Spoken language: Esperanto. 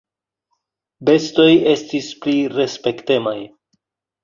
"Bestoj estis pli respektemaj."